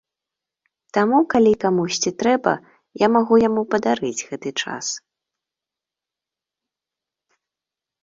Таму калі камусьці трэба, я магу яму падарыць гэты час.